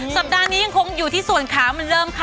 สัปดาห์นี้ยังคงอยู่ที่ส่วนขามันเริ่มค่ะ